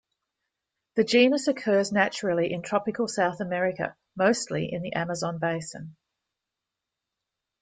The genus occurs naturally in tropical South America, mostly in the Amazon basin.